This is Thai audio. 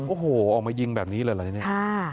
โอ้โหออกมายิงแบบนี้เลยเหรอเนี่ย